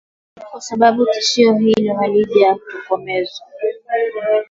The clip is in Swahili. kwa sababu tishio hilo halijatokomezwa